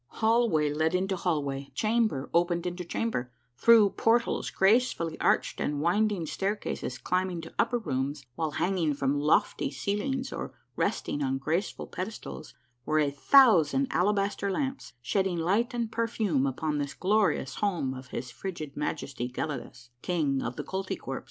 Hallway led into hallway, chamber opened into chamber, through portals gracefully arched, and winding staircases climbed to upper rooms, while hanging from lofty ceilings or resting on graceful pedestals, were a thousand alabaster lamps, shedding light and perfume upon this glorious home of his frigid Majesty Gelidus, King of the Koltykwerps.